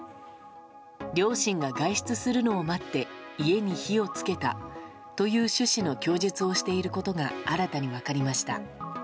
両親が外出するのを待って家に火をつけたという趣旨の供述をしていることが新たに分かりました。